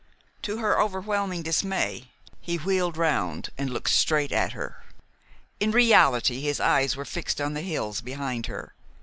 To her overwhelming dismay, he wheeled round and looked straight at her. In reality his eyes were fixed on the hills behind her.